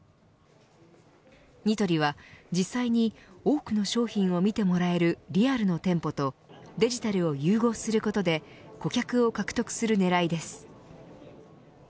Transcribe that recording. ニトリは実際に多くの商品を見てもらえるリアルの店舗とデジタルを融合することで顧客を獲得する狙いです。